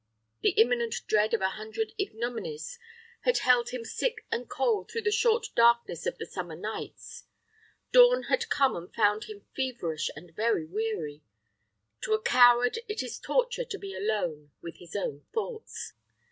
The imminent dread of a hundred ignominies had held him sick and cold through the short darkness of the summer nights. Dawn had come and found him feverish and very weary. To a coward it is torture to be alone with his own thoughts.